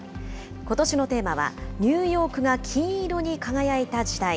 ことしのテーマは、ニューヨークが金色に輝いた時代。